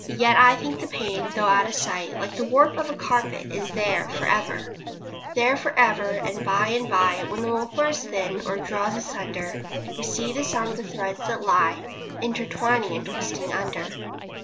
Yet I think the pain though out of sight, Like the warp of the carpet, is there for ever. There for ever, and by and by When the woof wears thin, or draws asunder, We see the sombre threads that lie Intertwining and twisting under.